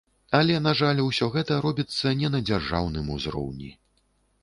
Але, на жаль, усё гэта робіцца не на дзяржаўным узроўні.